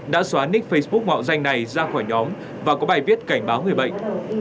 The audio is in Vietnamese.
đã xóa nick facebook mạo danh này ra khỏi nhóm và có bài viết cảnh báo người bệnh